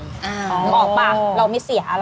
นึกออกป่ะเราไม่เสียอะไร